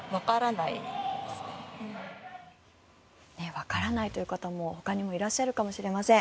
わからないという方もほかにもいらっしゃるかもしれません。